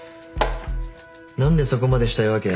何でそこまでしたいわけ？